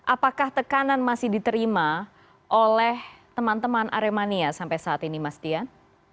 apakah tekanan masih diterima oleh teman teman aremania sampai saat ini mas dian